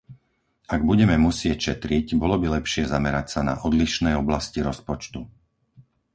Ak budeme musieť šetriť, bolo by lepšie zamerať sa na odlišné oblasti rozpočtu.